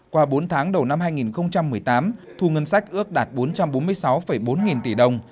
qua bốn tháng đầu năm hai nghìn một mươi tám thu ngân sách ước đạt bốn trăm bốn mươi sáu bốn nghìn tỷ đồng